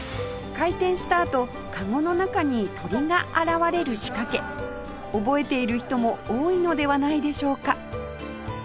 回転したあと籠の中に鳥が現れる仕掛け覚えている人も多いのではないでしょうか